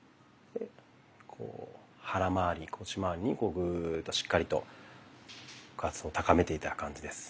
腹まわり腰まわりにグーッとしっかりと腹圧を高めて頂く感じです。